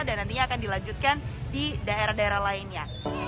dan nantinya akan dilanjutkan di daerah daerah lainnya